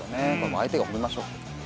相手を褒めましょう。